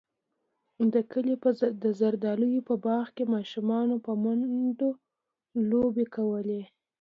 د کلي د زردالیو په باغ کې ماشومانو په منډو لوبې کولې.